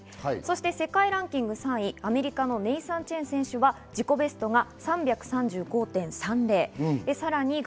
世界ランキング３位、アメリカのネイサン・チェン選手は自己ベストが３３５．３０。